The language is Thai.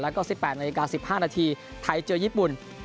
แล้วก็สิบแปดนาฬิกาสิบห้านาทีไทยเจอยี่ปุ่น